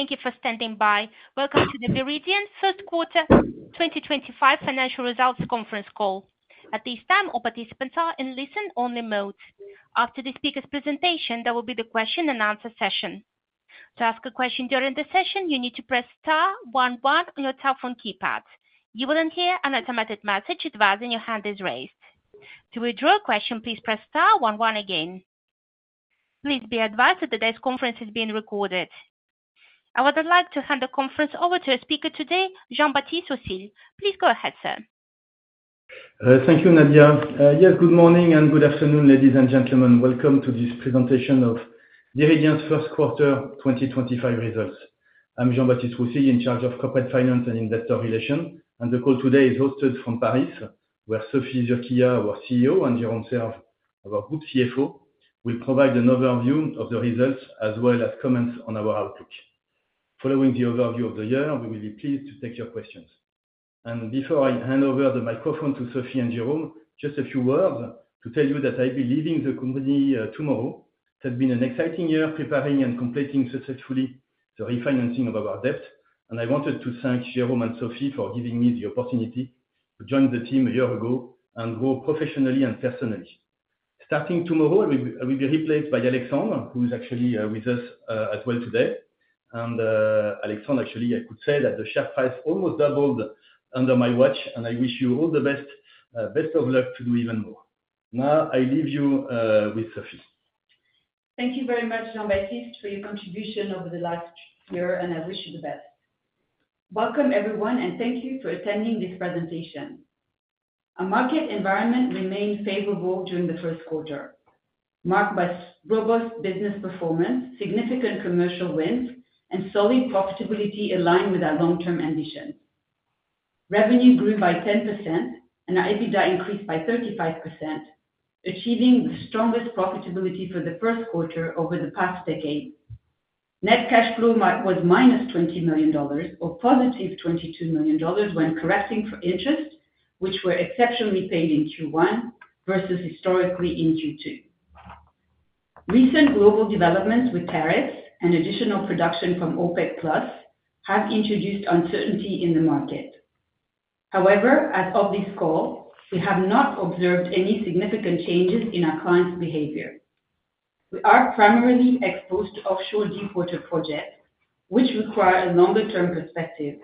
Thank you for standing by. Welcome to the Viridien First Quarter 2025 Financial Results Conference Call. At this time, all participants are in listen-only mode. After the speaker's presentation, there will be the question-and-answer session. To ask a question during the session, you need to press *11 on your telephone keypad. You will then hear an automated message advising your hand is raised. To withdraw a question, please press *11 again. Please be advised that today's conference is being recorded. I would like to hand the conference over to our speaker today, Jean-Baptiste Roussille. Please go ahead, sir. Thank you, Nadia. Yes, good morning and good afternoon, ladies and gentlemen. Welcome to this presentation of Viridien's First Quarter 2025 results. I'm Jean-Baptiste Roussille, in charge of Corporate Finance and Investor Relations, and the call today is hosted from Paris, where Sophie Zurquiyah, our CEO, and Jérôme Serve, our Group CFO, will provide an overview of the results as well as comments on our outlook. Following the overview of the year, we will be pleased to take your questions. Before I hand over the microphone to Sophie and Jérôme, just a few words to tell you that I'll be leaving the company tomorrow. It has been an exciting year preparing and completing successfully the refinancing of our debt, and I wanted to thank Jérôme and Sophie for giving me the opportunity to join the team a year ago and grow professionally and personally. Starting tomorrow, I will be replaced by Alexandre, who is actually with us as well today. Alexandre, actually, I could say that the share price almost doubled under my watch, and I wish you all the best of luck to do even more. Now, I leave you with Sophie. Thank you very much, Jean Baptiste, for your contribution over the last year, and I wish you the best. Welcome, everyone, and thank you for attending this presentation. Our market environment remained favorable during the first quarter, marked by robust business performance, significant commercial wins, and solid profitability aligned with our long-term ambitions. Revenue grew by 10%, and our EBITDA increased by 35%, achieving the strongest profitability for the first quarter over the past decade. Net cash flow was minus $20 million, or positive $22 million when correcting for interest, which were exceptionally paid in Q1 versus historically in Q2. Recent global developments with tariffs and additional production from OPEC Plus have introduced uncertainty in the market. However, as of this call, we have not observed any significant changes in our clients' behavior. We are primarily exposed to offshore deepwater projects, which require a longer-term perspective,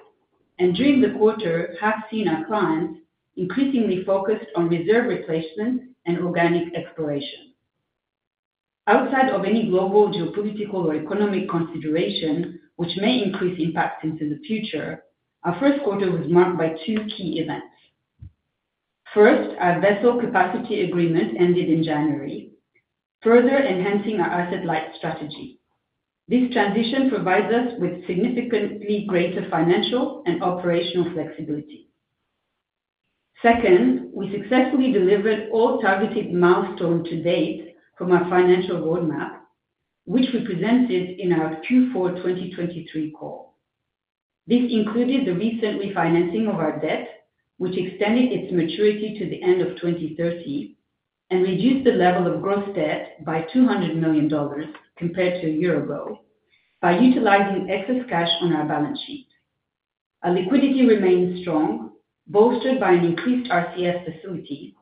and during the quarter, have seen our clients increasingly focused on reserve replacement and organic exploration. Outside of any global geopolitical or economic consideration, which may increase impact into the future, our first quarter was marked by two key events. First, our vessel capacity agreement ended in January, further enhancing our asset-light strategy. This transition provides us with significantly greater financial and operational flexibility. Second, we successfully delivered all targeted milestones to date from our financial roadmap, which we presented in our Q4 2023 call. This included the recent refinancing of our debt, which extended its maturity to the end of 2030 and reduced the level of gross debt by $200 million compared to a year ago by utilizing excess cash on our balance sheet. Our liquidity remains strong, bolstered by an increased RCS facility,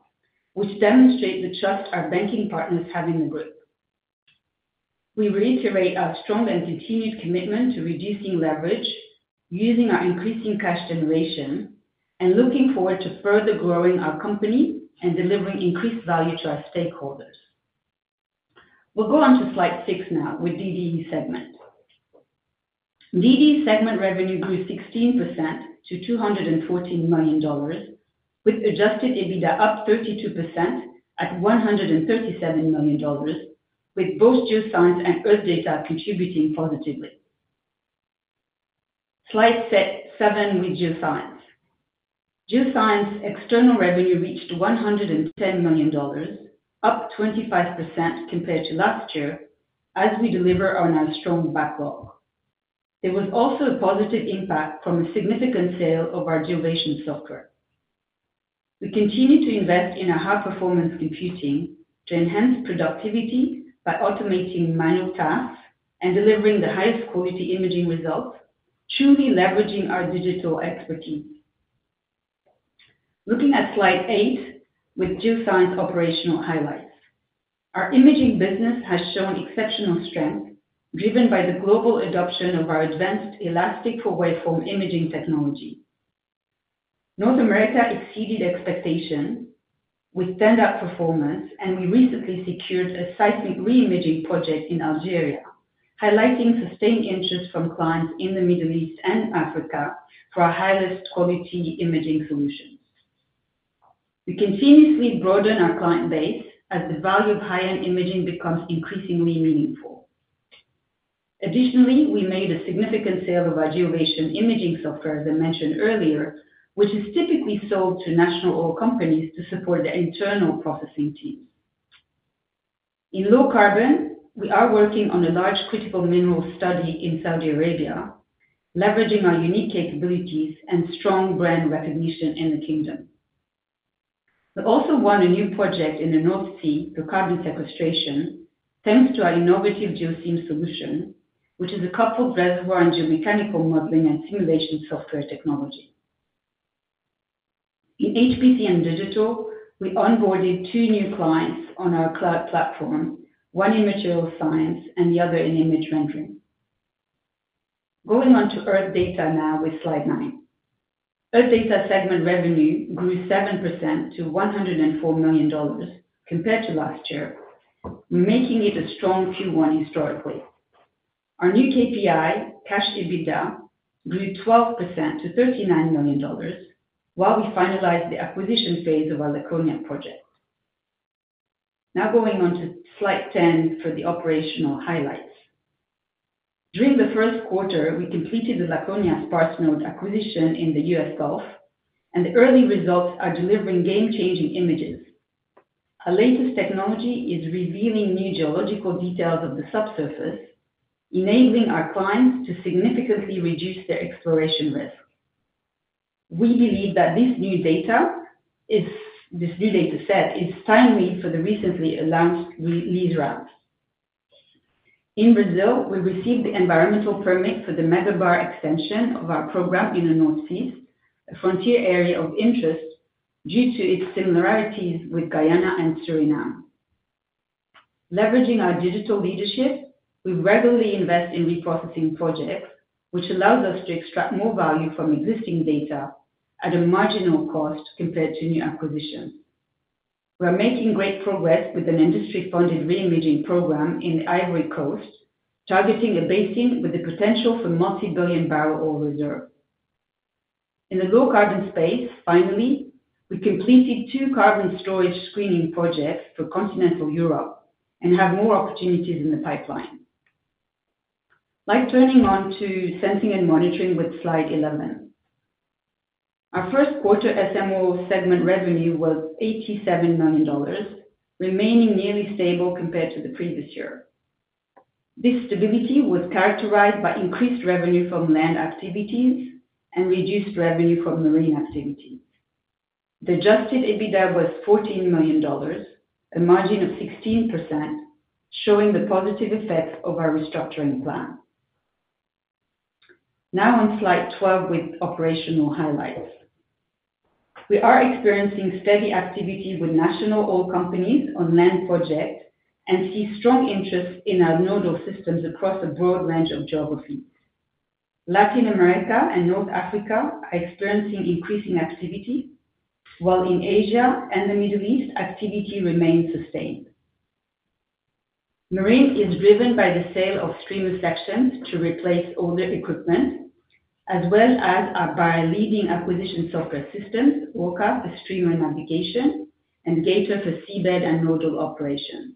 which demonstrates the trust our banking partners have in the group. We reiterate our strong and continued commitment to reducing leverage, using our increasing cash generation, and looking forward to further growing our company and delivering increased value to our stakeholders. We'll go on to slide six now with DDE segment. DDE segment revenue grew 16% to $214 million, with adjusted EBITDA up 32% at $137 million, with both Geoscience and Earth Data contributing positively. Slide seven with Geoscience. Geoscience external revenue reached $110 million, up 25% compared to last year, as we deliver on our strong backlog. There was also a positive impact from a significant sale of our GeoVision software. We continue to invest in our high-performance computing to enhance productivity by automating manual tasks and delivering the highest quality imaging results, truly leveraging our digital expertise. Looking at slide eight with Geoscience operational highlights. Our imaging business has shown exceptional strength, driven by the global adoption of our advanced elastic waveform imaging technology. North America exceeded expectations with standout performance, and we recently secured a seismic reimaging project in Algeria, highlighting sustained interest from clients in the Middle East and Africa for our highest quality imaging solutions. We continuously broaden our client base as the value of high-end imaging becomes increasingly meaningful. Additionally, we made a significant sale of our GeoVision imaging software, as I mentioned earlier, which is typically sold to national oil companies to support their internal processing teams. In low carbon, we are working on a large critical mineral study in Saudi Arabia, leveraging our unique capabilities and strong brand recognition in the kingdom. We also won a new project in the North Sea for carbon sequestration, thanks to our innovative Geosim solution, which is a coupled reservoir and geomechanical modeling and simulation software technology. In HPC and digital, we onboarded two new clients on our cloud platform, one in material science and the other in image rendering. Going on to Earth Data now with slide nine. Earth Data segment revenue grew 7% to $104 million compared to last year, making it a strong Q1 historically. Our new KPI, cash EBITDA, grew 12% to $39 million, while we finalized the acquisition phase of our Laconia project. Now going on to slide 10 for the operational highlights. During the first quarter, we completed the Laconia Sparse Node acquisition in the US Gulf, and the early results are delivering game-changing images. Our latest technology is revealing new geological details of the subsurface, enabling our clients to significantly reduce their exploration risk. We believe that this new data set is timely for the recently announced lease rounds. In Brazil, we received the environmental permit for the Megabar extension of our program in the Foz do Amazonas, a frontier area of interest due to its similarities with Guyana and Suriname. Leveraging our digital leadership, we regularly invest in reprocessing projects, which allows us to extract more value from existing data at a marginal cost compared to new acquisitions. We are making great progress with an industry-funded reimaging program in the Ivory Coast, targeting a basin with the potential for multi-billion barrel oil reserve. In the low carbon space, finally, we completed two carbon storage screening projects for continental Europe and have more opportunities in the pipeline. Like turning on to sensing and monitoring with slide 11. Our first quarter SMO segment revenue was $87 million, remaining nearly stable compared to the previous year. This stability was characterized by increased revenue from land activities and reduced revenue from marine activity. The adjusted EBITDA was $14 million, a margin of 16%, showing the positive effects of our restructuring plan. Now on slide 12 with operational highlights. We are experiencing steady activity with national oil companies on land projects and see strong interest in our nodal systems across a broad range of geographies. Latin America and North Africa are experiencing increasing activity, while in Asia and the Middle East, activity remains sustained. Marine is driven by the sale of streamer sections to replace older equipment, as well as our leading acquisition software systems, Orca, for streamer navigation and Gator for seabed and nodal operations.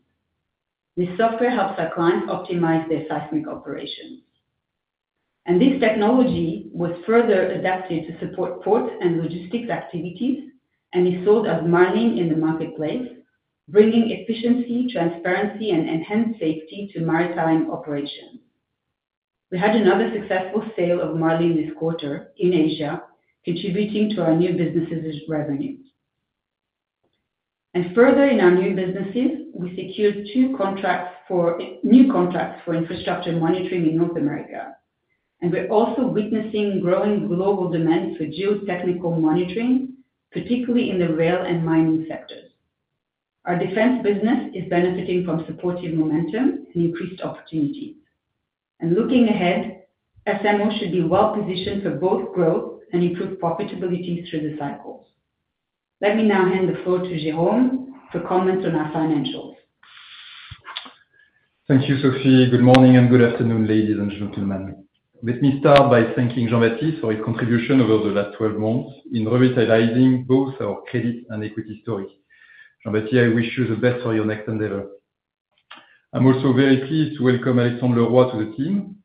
This software helps our clients optimize their seismic operations. This technology was further adapted to support ports and logistics activities and is sold as Marlin in the marketplace, bringing efficiency, transparency, and enhanced safety to maritime operations. We had another successful sale of Marlin this quarter in Asia, contributing to our new businesses' revenues. Further in our new businesses, we secured two new contracts for infrastructure monitoring in North America. We are also witnessing growing global demand for geotechnical monitoring, particularly in the rail and mining sectors. Our defense business is benefiting from supportive momentum and increased opportunities. Looking ahead, SMO should be well positioned for both growth and improved profitability through the cycles. Let me now hand the floor to Jérôme for comments on our financials. Thank you, Sophie. Good morning and good afternoon, ladies and gentlemen. Let me start by thanking Jean Baptiste for his contribution over the last 12 months in revitalizing both our credit and equity story. Jean Baptiste, I wish you the best for your next endeavor. I'm also very pleased to welcome Alexandre Leroy to the team,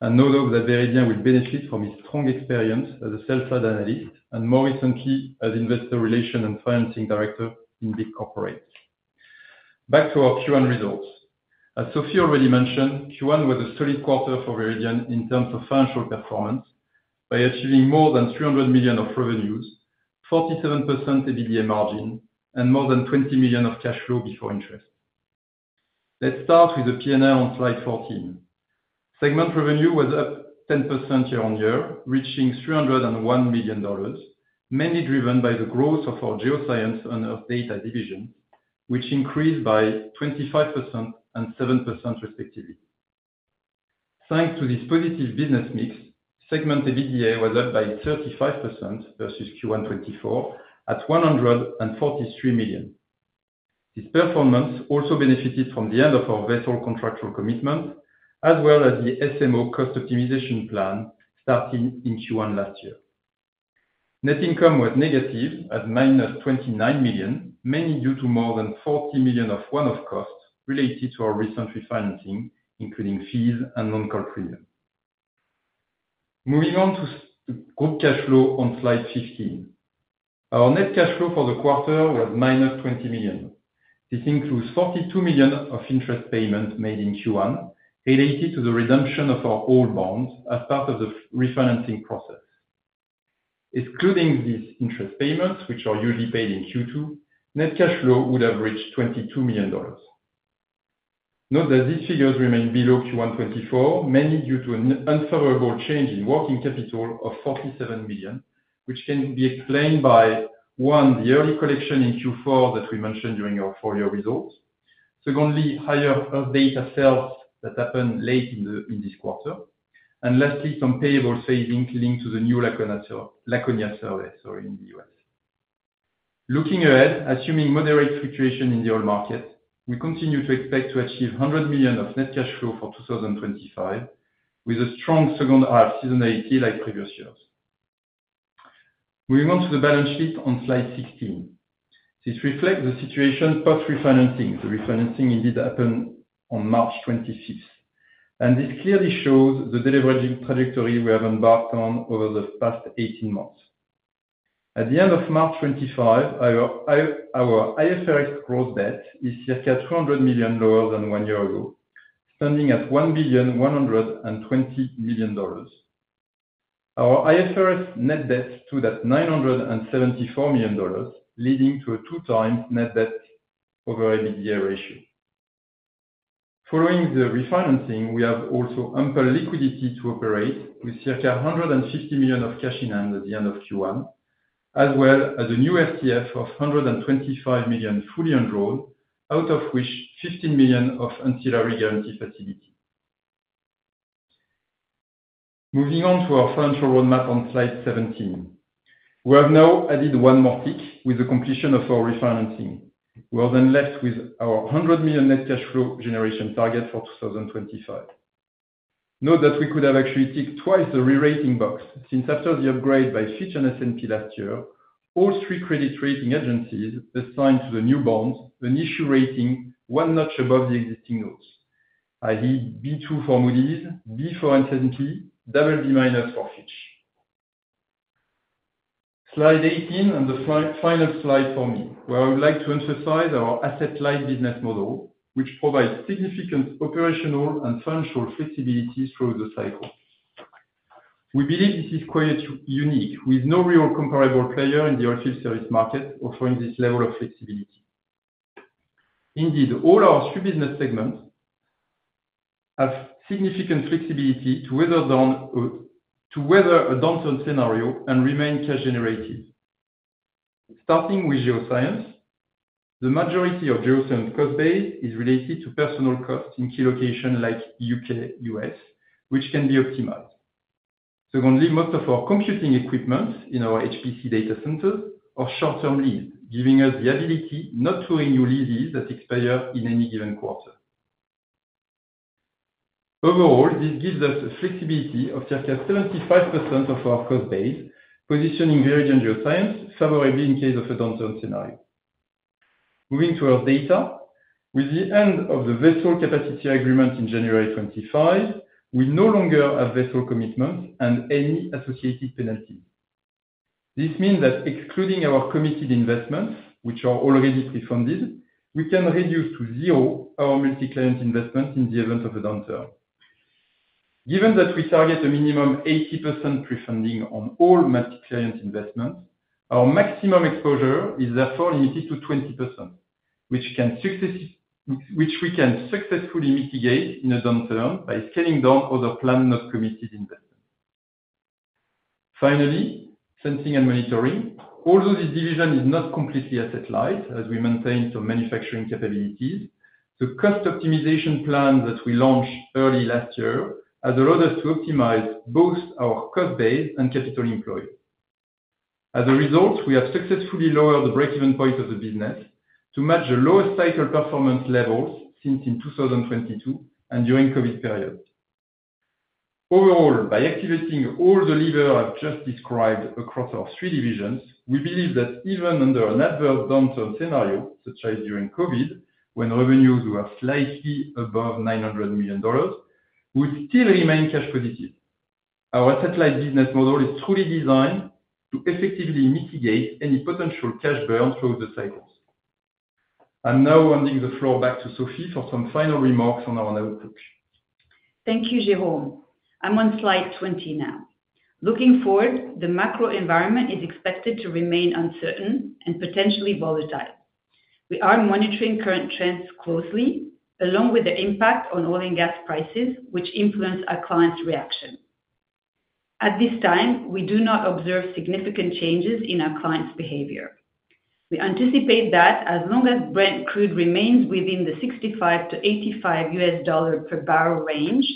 a nodal that Viridien will benefit from his strong experience as a sell-side analyst and, more recently, as investor relation and financing director in big corporates. Back to our Q1 results. As Sophie already mentioned, Q1 was a solid quarter for Viridien in terms of financial performance by achieving more than $300 million of revenues, 47% EBITDA margin, and more than $20 million of cash flow before interest. Let's start with the P&L on slide 14. Segment revenue was up 10% year on year, reaching $301 million, mainly driven by the growth of our Geoscience and Earth Data divisions, which increased by 25% and 7%, respectively. Thanks to this positive business mix, segment EBITDA was up by 35% versus Q1 2024 at $143 million. This performance also benefited from the end of our vessel contractual commitment, as well as the SMO cost optimization plan starting in Q1 last year. Net income was negative at minus $29 million, mainly due to more than $40 million of one-off costs related to our recent refinancing, including fees and non-call premium. Moving on to group cash flow on slide 15. Our net cash flow for the quarter was minus $20 million. This includes $42 million of interest payment made in Q1 related to the redemption of our old bonds as part of the refinancing process. Excluding these interest payments, which are usually paid in Q2, net cash flow would have reached $22 million. Note that these figures remain below Q1 2024, mainly due to an unfavorable change in working capital of $47 million, which can be explained by, one, the early collection in Q4 that we mentioned during our full-year results. Secondly, higher Earth Data sales that happened late in this quarter. Lastly, some payable savings linked to the new Laconia service in the US. Looking ahead, assuming moderate fluctuation in the oil market, we continue to expect to achieve $100 million of net cash flow for 2025 with a strong second half seasonality like previous years. Moving on to the balance sheet on slide 16. This reflects the situation post refinancing. The refinancing indeed happened on March 25. This clearly shows the delivery trajectory we have embarked on over the past 18 months. At the end of March 2025, our IFRS gross debt is circa $300 million lower than one year ago, standing at $1,120 million. Our IFRS net debt stood at $974 million, leading to a two-time net debt over EBITDA ratio. Following the refinancing, we have also ample liquidity to operate with circa $150 million of cash in hand at the end of Q1, as well as a new FTF of $125 million fully enrolled, out of which $15 million of ancillary guarantee facility. Moving on to our financial roadmap on slide 17. We have now added one more tick with the completion of our refinancing. We are then left with our $100 million net cash flow generation target for 2025. Note that we could have actually ticked twice the re-rating box since after the upgrade by Fitch and S&P last year, all three credit rating agencies assigned to the new bonds an issue rating one notch above the existing notes, i.e., B2 for Moody's, B for S&P, double B minus for Fitch. Slide 18 and the final slide for me, where I would like to emphasize our asset-light business model, which provides significant operational and financial flexibilities through the cycle. We believe this is quite unique, with no real comparable player in the oil field service market offering this level of flexibility. Indeed, all our three business segments have significant flexibility to weather a downturn scenario and remain cash-generative. Starting with Geoscience, the majority of Geoscience cost base is related to personnel costs in key locations like the U.K., U.S., which can be optimized. Secondly, most of our computing equipment in our HPC data centers are short-term leased, giving us the ability not to renew leases that expire in any given quarter. Overall, this gives us a flexibility of circa 75% of our cost base, positioning Viridien Geoscience favorably in case of a downturn scenario. Moving to Earth Data, with the end of the vessel capacity agreement in January 2025, we no longer have vessel commitments and any associated penalties. This means that excluding our committed investments, which are already pre-funded, we can reduce to zero our multi-client investments in the event of a downturn. Given that we target a minimum 80% pre-funding on all multi-client investments, our maximum exposure is therefore limited to 20%, which we can successfully mitigate in a downturn by scaling down other planned not committed investments. Finally, sensing and monitoring, although this division is not completely asset-light, as we maintain some manufacturing capabilities, the cost optimization plan that we launched early last year has allowed us to optimize both our cost base and capital employed. As a result, we have successfully lowered the break-even point of the business to match the lowest cycle performance levels since 2022 and during the COVID period. Overall, by activating all the levers I've just described across our three divisions, we believe that even under an adverse downturn scenario, such as during COVID, when revenues were slightly above $900 million, we would still remain cash-positive. Our asset-light business model is truly designed to effectively mitigate any potential cash burns through the cycles. I'm now handing the floor back to Sophie for some final remarks on our notebook. Thank you, Jérôme. I'm on slide 20 now. Looking forward, the macro environment is expected to remain uncertain and potentially volatile. We are monitoring current trends closely, along with the impact on oil and gas prices, which influence our clients' reaction. At this time, we do not observe significant changes in our clients' behavior. We anticipate that as long as Brent crude remains within the $65-$85 per barrel range,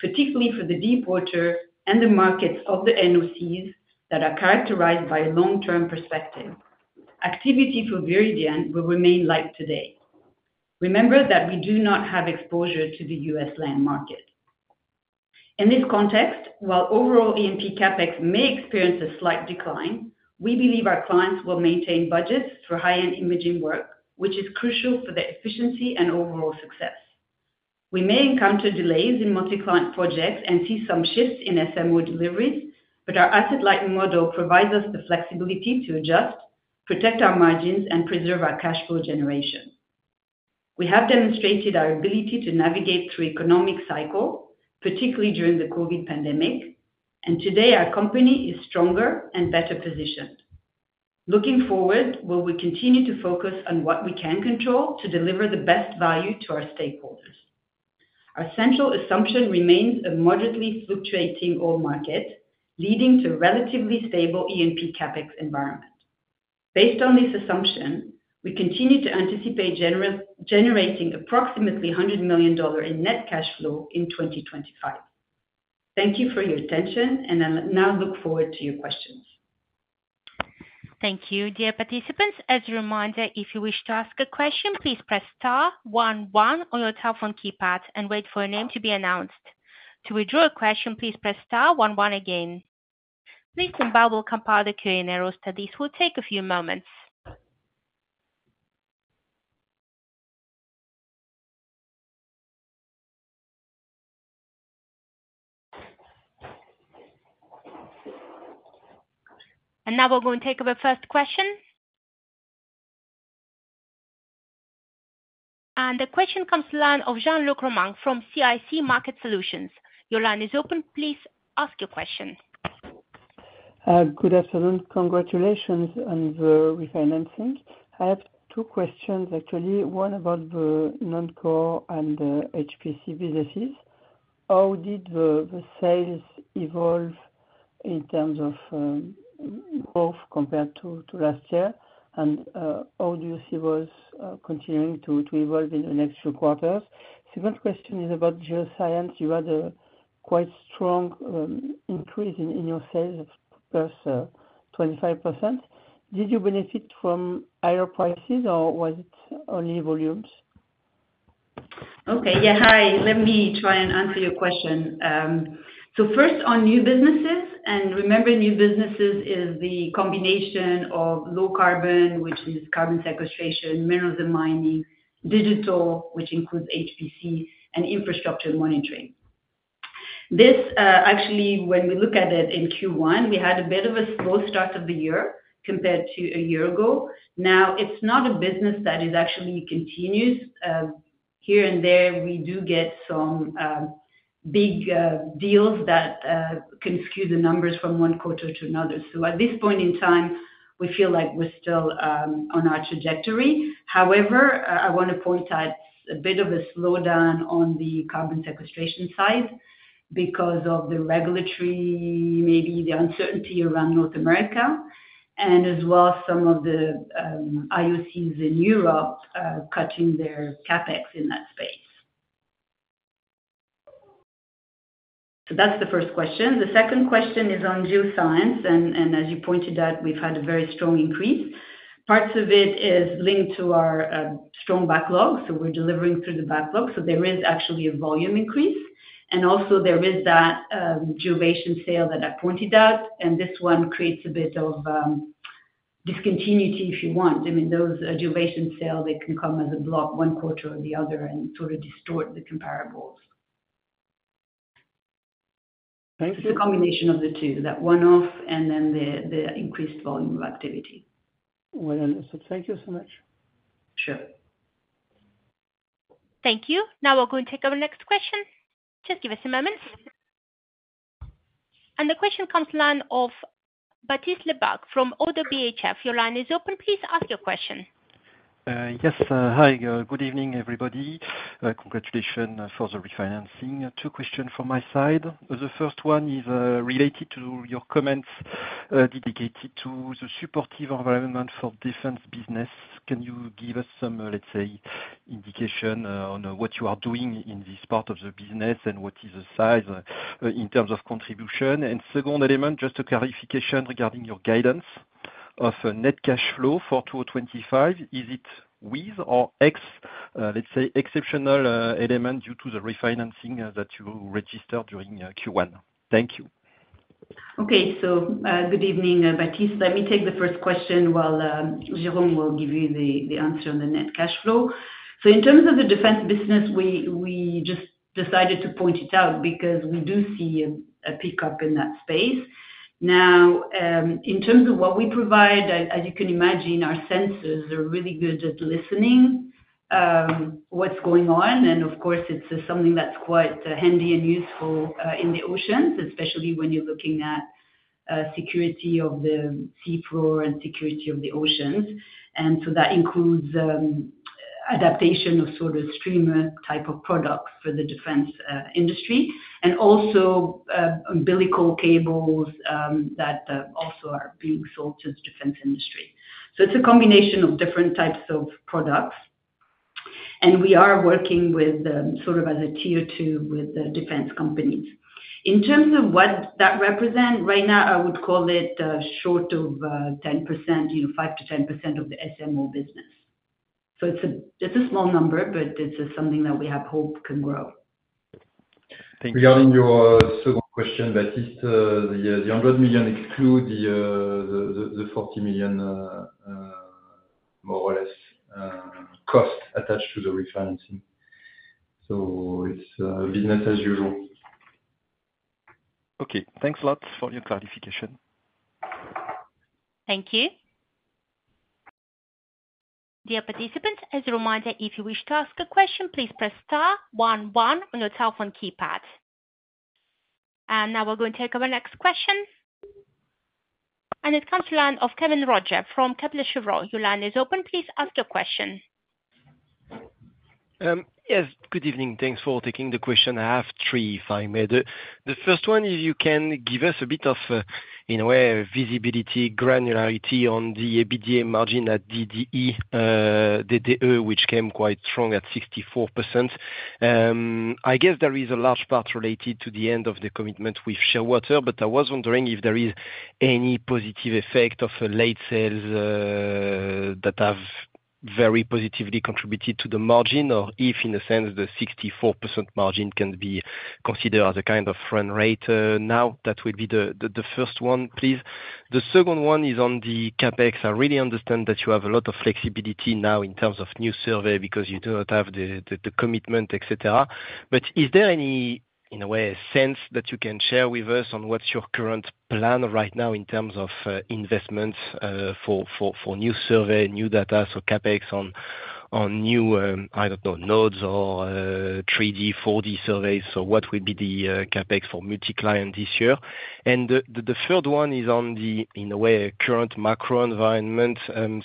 particularly for the deep water and the markets of the NOCs that are characterized by a long-term perspective, activity for Viridien will remain like today. Remember that we do not have exposure to the US land market. In this context, while overall E&P CapEx may experience a slight decline, we believe our clients will maintain budgets for high-end imaging work, which is crucial for their efficiency and overall success. We may encounter delays in multi-client projects and see some shifts in SMO deliveries, but our asset-light model provides us the flexibility to adjust, protect our margins, and preserve our cash flow generation. We have demonstrated our ability to navigate through economic cycles, particularly during the COVID pandemic, and today, our company is stronger and better positioned. Looking forward, we will continue to focus on what we can control to deliver the best value to our stakeholders. Our central assumption remains a moderately fluctuating oil market, leading to a relatively stable E&P CapEx environment. Based on this assumption, we continue to anticipate generating approximately $100 million in net cash flow in 2025. Thank you for your attention, and I now look forward to your questions. Thank you. Dear participants, as a reminder, if you wish to ask a question, please press *11 on your telephone keypad and wait for a name to be announced. To withdraw a question, please press *11 again. Please think about it while we compile the Q&A roster. This will take a few moments. Now we are going to take up our first question. The question comes to the line of Jean-Luc Romain from CIC Market Solutions. Your line is open. Please ask your question. Good afternoon. Congratulations on the refinancing. I have two questions, actually. One about the non-core and the HPC businesses. How did the sales evolve in terms of growth compared to last year? How do you see it was continuing to evolve in the next few quarters? Second question is about Geoscience. You had a quite strong increase in your sales of plus 25%. Did you benefit from higher prices, or was it only volumes? Okay. Yeah, hi. Let me try and answer your question. First, on new businesses, and remember, new businesses is the combination of low carbon, which is carbon sequestration, minerals and mining, digital, which includes HPC, and infrastructure monitoring. This, actually, when we look at it in Q1, we had a bit of a slow start of the year compared to a year ago. Now, it's not a business that is actually continuous. Here and there, we do get some big deals that can skew the numbers from one quarter to another. At this point in time, we feel like we're still on our trajectory. However, I want to point out a bit of a slowdown on the carbon sequestration side because of the regulatory, maybe the uncertainty around North America, and as well some of the IOCs in Europe cutting their CapEx in that space. That's the first question. The second question is on Geoscience. And as you pointed out, we've had a very strong increase. Parts of it is linked to our strong backlog. So we're delivering through the backlog. So there is actually a volume increase. And also, there is that GeoVision sale that I pointed out. And this one creates a bit of discontinuity, if you want. I mean, those GeoVision sales, they can come as a block one quarter or the other and sort of distort the comparables. Thank you. It's a combination of the two, that one-off and then the increased volume of activity. Thank you so much. Sure. Thank you. Now we're going to take up the next question. Just give us a moment. The question comes to the line of Baptiste Lebacq from Oddo BHF. Your line is open. Please ask your question. Yes. Hi. Good evening, everybody. Congratulations for the refinancing. Two questions from my side. The first one is related to your comments dedicated to the supportive environment for defense business. Can you give us some, let's say, indication on what you are doing in this part of the business and what is the size in terms of contribution? Second element, just a clarification regarding your guidance of net cash flow for 2025. Is it with or ex, let's say, exceptional element due to the refinancing that you registered during Q1? Thank you. Okay. Good evening, Baptiste. Let me take the first question while Jérôme will give you the answer on the net cash flow. In terms of the defense business, we just decided to point it out because we do see a pickup in that space. In terms of what we provide, as you can imagine, our sensors are really good at listening to what's going on. Of course, it's something that's quite handy and useful in the oceans, especially when you're looking at the security of the seafloor and security of the oceans. That includes adaptation of sort of streamer type of products for the defense industry, and also umbilical cables that also are being sold to the defense industry. It's a combination of different types of products. We are working with sort of as a tier two with the defense companies. In terms of what that represents right now, I would call it short of 10%, 5-10% of the SMO business. So it's a small number, but it's something that we have hope can grow. Thank you. Regarding your second question, Baptiste, the $100 million excludes the $40 million, more or less, cost attached to the refinancing. So it's business as usual. Okay. Thanks a lot for your clarification. Thank you. Dear participants, as a reminder, if you wish to ask a question, please press *11 on your telephone keypad. Now we are going to take up our next question. It comes to the line of Kevin Roger fromKepler Cheuvreux. Your line is open. Please ask your question. Yes. Good evening. Thanks for taking the question. I have three, if I may. The first one is you can give us a bit of, in a way, visibility, granularity on the EBITDA margin at DDE, DDE, which came quite strong at 64%. I guess there is a large part related to the end of the commitment with Shearwater, but I was wondering if there is any positive effect of late sales that have very positively contributed to the margin, or if, in a sense, the 64% margin can be considered as a kind of run rate. That would be the first one, please. The second one is on the CapEx. I really understand that you have a lot of flexibility now in terms of new survey because you do not have the commitment, etc. Is there any, in a way, sense that you can share with us on what's your current plan right now in terms of investments for new survey, new data, so CapEx on new, I don't know, nodes or 3D, 4D surveys? What would be the CapEx for multi-client this year? The third one is on the, in a way, current macro environment.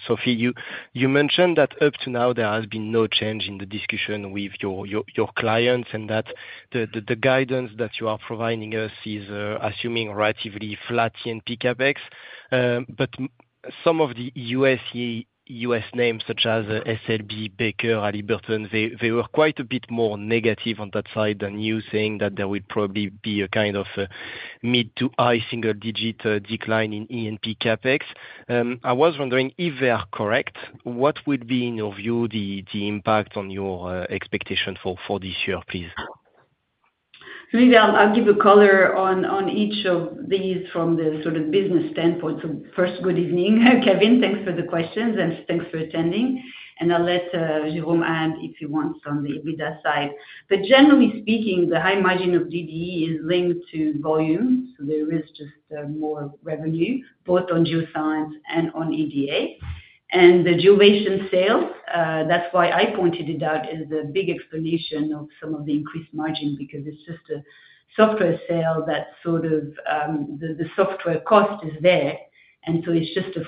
Sophie, you mentioned that up to now, there has been no change in the discussion with your clients and that the guidance that you are providing us is assuming relatively flat E&P CapEx. Some of the U.S. names, such as SLB, Baker Hughes, Halliburton, they were quite a bit more negative on that side than you, saying that there would probably be a kind of mid to high single-digit decline in E&P CapEx. I was wondering if they are correct. What would be, in your view, the impact on your expectation for this year, please? For me, I'll give a color on each of these from the sort of business standpoint. First, good evening, Kevin. Thanks for the questions, and thanks for attending. I'll let Jérôme add if he wants on the EBITDA side. Generally speaking, the high margin of DDE is linked to volume. There is just more revenue, both on Geoscience and on EDA. The GeoVision sales, that's why I pointed it out, is a big explanation of some of the increased margin because it's just a software sale that, sort of, the software cost is there. It's just a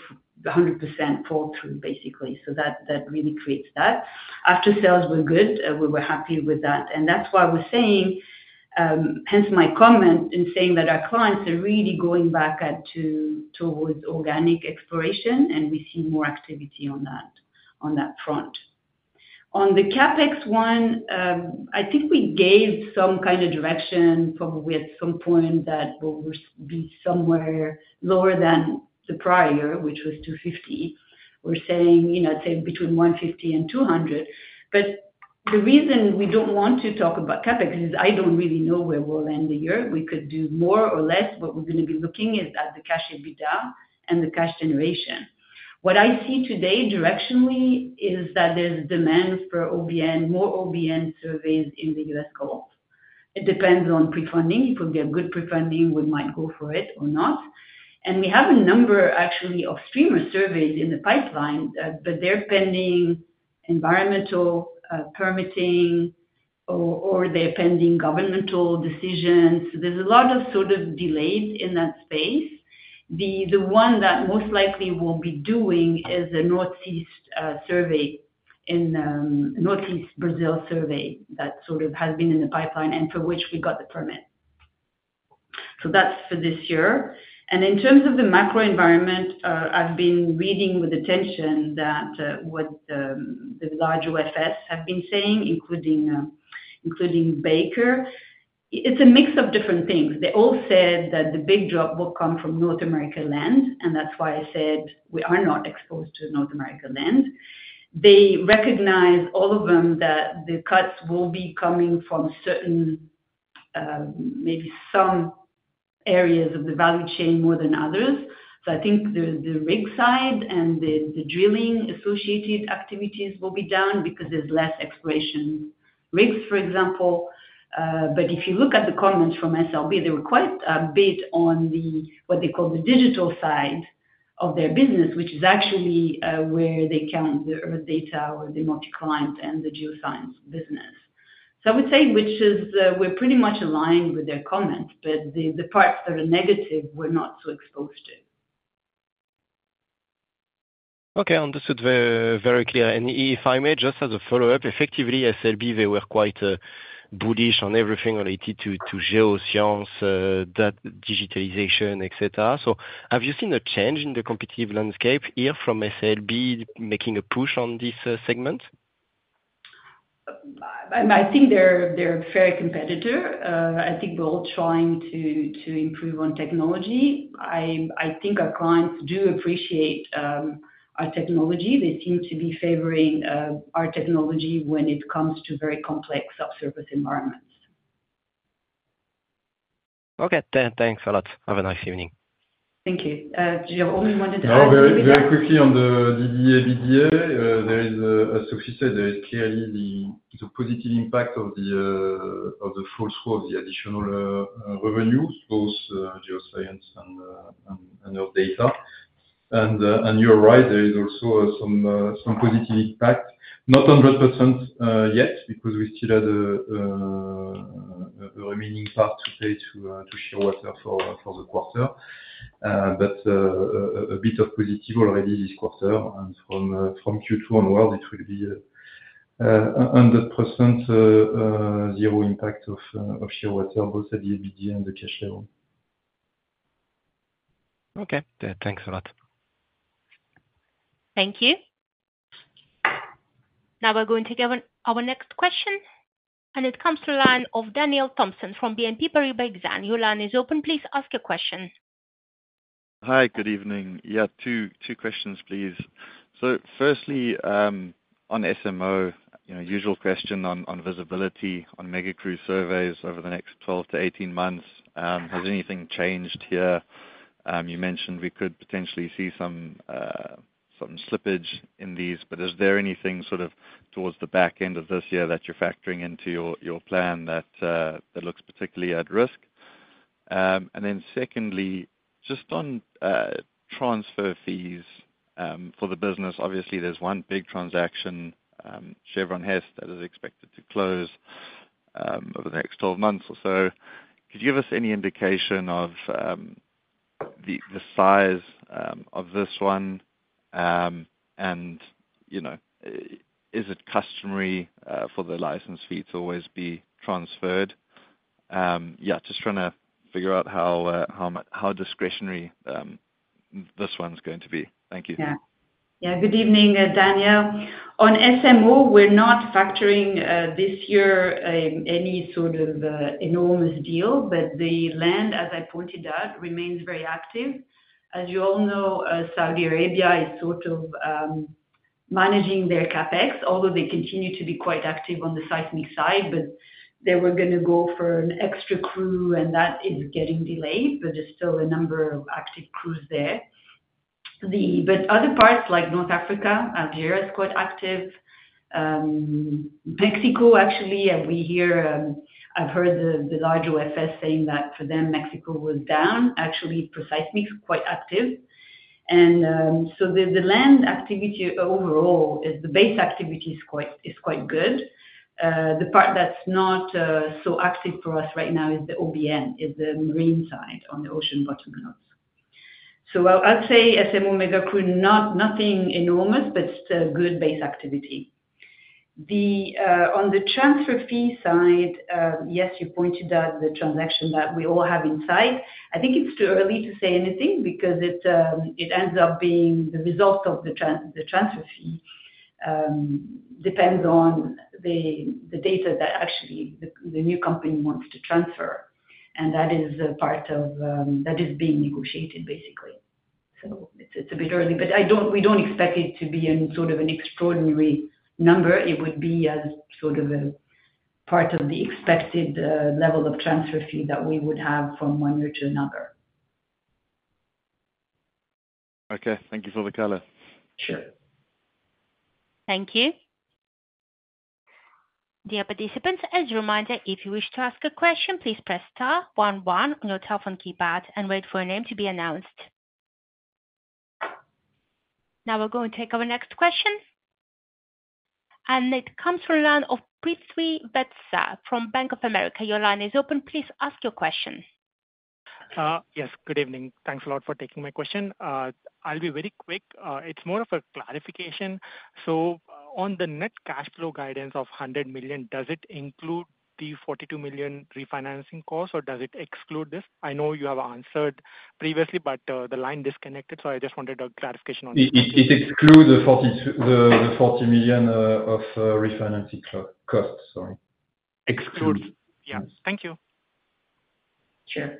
100% fall-through, basically. That really creates that. After sales were good. We were happy with that. That's why we're saying, hence my comment in saying that our clients are really going back towards organic exploration, and we see more activity on that front. On the CapEx one, I think we gave some kind of direction probably at some point that we'll be somewhere lower than the prior, which was $250 million. We're saying, I'd say, between $150 million and $200 million. The reason we don't want to talk about CapEx is I don't really know where we'll end the year. We could do more or less. What we're going to be looking at is the cash EBITDA and the cash generation. What I see today directionally is that there's demand for more OBN surveys in the US Gulf. It depends on pre-funding. If we get good pre-funding, we might go for it or not. We have a number, actually, of streamer surveys in the pipeline, but they're pending environmental permitting, or they're pending governmental decisions. There's a lot of sort of delays in that space. The one that most likely we'll be doing is a Northeast Brazil survey that sort of has been in the pipeline and for which we got the permit. That's for this year. In terms of the macro environment, I've been reading with attention what the large OFS have been saying, including Baker. It's a mix of different things. They all said that the big drop will come from North America land, and that's why I said we are not exposed to North America land. They recognize, all of them, that the cuts will be coming from certain, maybe some areas of the value chain more than others. I think the rig side and the drilling-associated activities will be down because there's less exploration rigs, for example. If you look at the comments from SLB, they were quite a bit on what they call the digital side of their business, which is actually where they count the Earth Data or the multi-client and the Geoscience business. I would say we're pretty much aligned with their comments, but the parts that are negative, we're not so exposed to. Okay. Understood. Very clear. If I may, just as a follow-up, effectively, SLB, they were quite bullish on everything related to Geoscience, that digitalization, etc. Have you seen a change in the competitive landscape here from SLB making a push on this segment? I think they're a fair competitor. I think we're all trying to improve on technology. I think our clients do appreciate our technology. They seem to be favoring our technology when it comes to very complex subsurface environments. Okay. Thanks a lot. Have a nice evening. Thank you. Jérôme, you wanted to add? No, very quickly on the DDE, EBITDA. Sophie said there is clearly the positive impact of the full score of the additional revenue, both Geoscience and Earth Data. You're right. There is also some positive impact. Not 100% yet because we still had a remaining part to pay to Shearwater for the quarter. A bit of positive already this quarter. From Q2 onwards, it will be 100% zero impact of Shearwater, both at the EBITDA and the cash level. Okay. Thanks a lot. Thank you. Now we're going to take up our next question. It comes to the line of Daniel Thomson from BNP Paribas Exane. Your line is open. Please ask your question. Hi. Good evening. Yeah, two questions, please. Firstly, on SMO, usual question on visibility on Megacruise surveys over the next 12-18 months. Has anything changed here? You mentioned we could potentially see some slippage in these. Is there anything sort of towards the back end of this year that you're factoring into your plan that looks particularly at risk? Secondly, just on transfer fees for the business, obviously, there's one big transaction, Chevron Hess, that is expected to close over the next 12 months or so. Could you give us any indication of the size of this one? Is it customary for the license fee to always be transferred? Yeah, just trying to figure out how discretionary this one's going to be. Thank you. Yeah. Yeah. Good evening, Daniel. On SMO, we're not factoring this year any sort of enormous deal. The land, as I pointed out, remains very active. As you all know, Saudi Arabia is sort of managing their CapEx, although they continue to be quite active on the seismic side. They were going to go for an extra crew, and that is getting delayed. There are still a number of active crews there. Other parts like North Africa, Algeria is quite active. Mexico, actually, I've heard the large OFS saying that for them, Mexico was down. Actually, for seismics, quite active. The land activity overall, the base activity is quite good. The part that's not so active for us right now is the OBN, is the marine side on the ocean bottom nodes. I'd say SMO Megacruise, nothing enormous, but good base activity. On the transfer fee side, yes, you pointed out the transaction that we all have in sight. I think it's too early to say anything because it ends up being the result of the transfer fee. It depends on the data that actually the new company wants to transfer. That is part of that is being negotiated, basically. It is a bit early. We do not expect it to be sort of an extraordinary number. It would be as sort of a part of the expected level of transfer fee that we would have from one year to another. Okay. Thank you for the color. Sure. Thank you. Dear participants, as a reminder, if you wish to ask a question, please press *11 on your telephone keypad and wait for your name to be announced. Now we are going to take up our next question. It comes from the line of Prithvi Vetsa from Bank of America. Your line is open. Please ask your question. Yes. Good evening. Thanks a lot for taking my question. I'll be very quick. It's more of a clarification. On the net cash flow guidance of $100 million, does it include the $42 million refinancing costs, or does it exclude this? I know you have answered previously, but the line disconnected, so I just wanted a clarification on that. It excludes the $40 million of refinancing costs. Sorry. Excludes. Yeah. Thank you. Sure.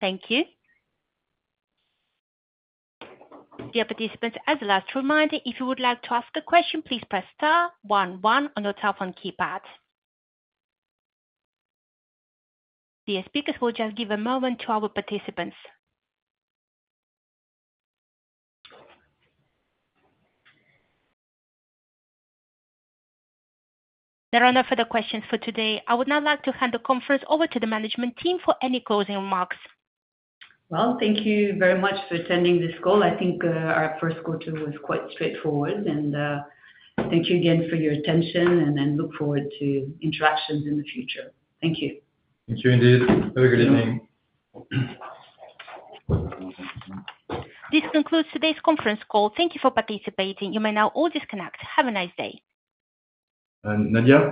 Thank you. Dear participants, as a last reminder, if you would like to ask a question, please press *11 on your telephone keypad. Dear speakers, we'll just give a moment to our participants. There are no further questions for today. I would now like to hand the conference over to the management team for any closing remarks. Thank you very much for attending this call. I think our first call, too, was quite straightforward. Thank you again for your attention, and I look forward to interactions in the future. Thank you. Thank you, indeed. Have a good evening. This concludes today's conference call. Thank you for participating. You may now all disconnect. Have a nice day. And Nadia.